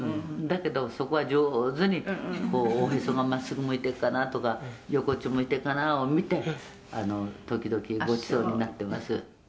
「だけどそこは上手にこうおへそが真っすぐ向いてるかなとか横っちょ向いてるかな？を見て時々ごちそうになってます」